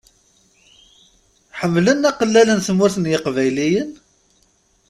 Ḥemmlen aqellal n Tmurt n yeqbayliyen?